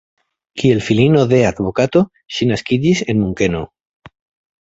Kiel filino de advokato ŝi naskiĝis en Munkeno.